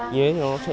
như thế thì nó sẽ